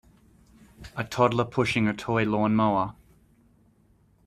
A toddler pushing a toy lawn mower.